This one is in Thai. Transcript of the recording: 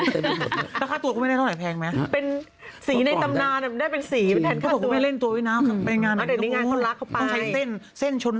ใช้ค่าตัวก็ไม่ได้เท่าไหร่แพงไหม